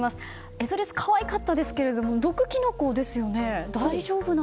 エゾリス可愛かったですけど毒キノコですよね。